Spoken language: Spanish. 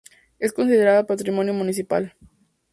Es considerada Patrimonio Municipal.